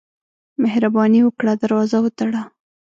مهرباني وکړه، دروازه وتړه.